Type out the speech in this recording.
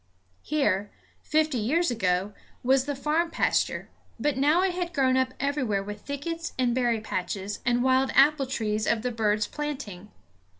Here, fifty years ago, was the farm pasture; but now it had grown up everywhere with thickets and berry patches, and wild apple trees of the birds' planting.